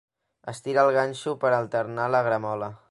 Estira el ganxo per alternar la gramola.